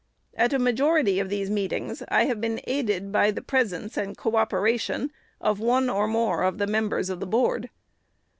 At a majority of these meetings I have been aided by the presence and co operation of one or more of the members of the Board.